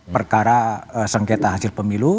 perkara sengketa hasil pemilu